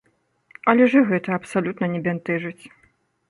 Але ж іх гэта абсалютна не бянтэжыць.